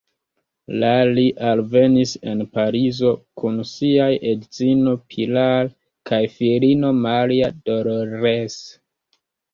La li alvenis en Parizo kun siaj edzino Pilar kaj filino Maria Dolores.